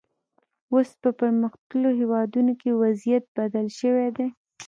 اوس په پرمختللو هېوادونو کې وضعیت بدل شوی دی.